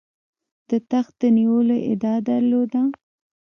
د تخت د نیولو ادعا درلوده.